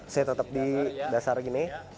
saya tetap di dasar gini